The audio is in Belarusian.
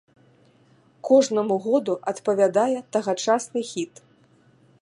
Кожнаму году адпавядае тагачасны хіт.